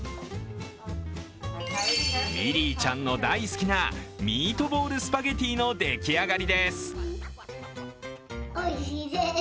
ミリーちゃんの大好きなミートボールスパゲッティの出来上がりです。